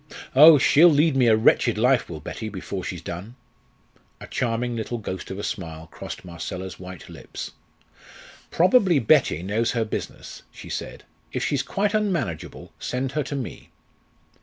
Oh! she'll lead me a wretched life, will Betty, before she's done!" A charming little ghost of a smile crossed Marcella's white lips. "Probably Betty knows her business," she said; "if she's quite unmanageable, send her to me."